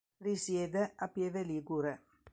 Risiede a Pieve Ligure.